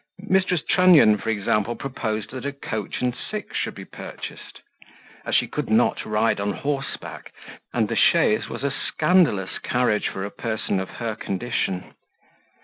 Mrs. Trunnion, for example, proposed that a coach and six should be purchased, as she could not ride on horseback, and the chaise was a scandalous carriage for a person of her condition.